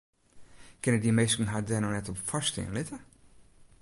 Kinne dy minsken har dêr no op foarstean litte?